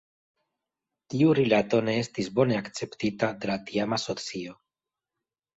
Tiu rilato ne estis bone akceptita de la tiama socio.